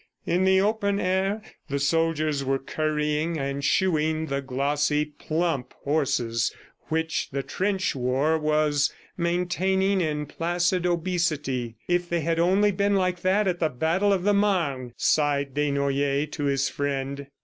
In the open air, the soldiers were currying and shoeing the glossy, plump horses which the trench war was maintaining in placid obesity. "If they had only been like that at the battle of the Marne!" sighed Desnoyers to his friend.